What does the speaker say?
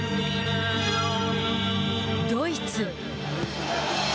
ドイツ。